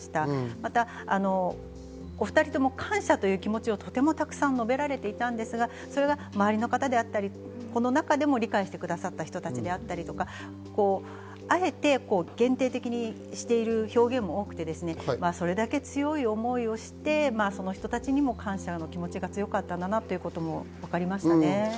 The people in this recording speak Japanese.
またお２人とも感謝という気持ちをたくさん述べられていたんですが、周りの方であったり、この中でも理解してくださった方であったりとか、あえて限定的にしている表現も多くて、それだけ強い思いをして、その人たちにも感謝の気持ちが強かったんだなと分かりました。